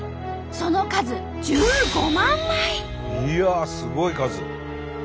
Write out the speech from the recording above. その数いやあすごい数！